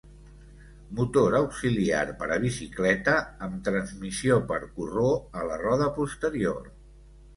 Motor auxiliar per a bicicleta amb transmissió per corró a la roda posterior.